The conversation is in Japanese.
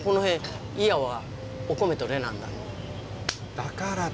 だからだ。